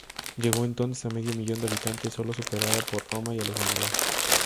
Llegó, entonces, a medio millón de habitantes, solo superada por Roma y Alejandría.